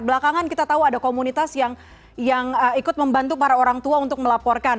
belakangan kita tahu ada komunitas yang ikut membantu para orang tua untuk melaporkan